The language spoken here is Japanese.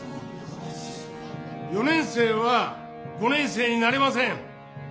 「４年生は５年生になれません。